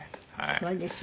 すごいですよね。